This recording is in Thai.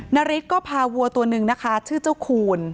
นาริสก็พาวัวตัวหนึ่งนะคะชื่อเจ้าคูณ